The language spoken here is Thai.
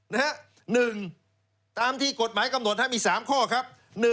๑ตามที่กฎหมายกำหนดให้มี๓ข้อครับ